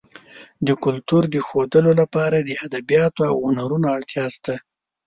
د کلتور د ښودلو لپاره د ادبیاتو او هنرونو اړتیا شته.